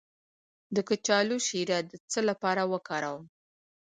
د کچالو شیره د څه لپاره وکاروم؟